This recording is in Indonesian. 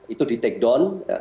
itu di take down